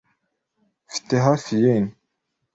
Mfite hafi yen .